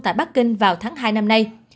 tại bắc kinh vào tháng hai năm nay